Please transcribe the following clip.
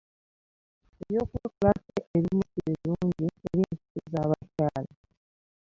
Ebyokwekolako ebimu sibirungi eri ensusu za bakyala.